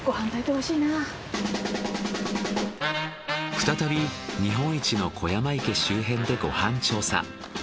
再び日本一の湖山池周辺でご飯調査。